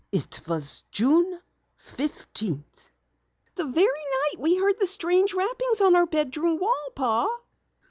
"It was June fifteenth." "The very night we heard the strange rappings on our bedroom wall, Pa."